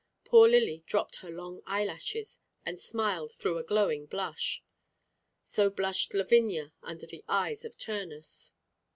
Poor Lily dropped her long eyelashes, and smiled through a glowing blush. So blushed Lavinia under the eyes of Turnus.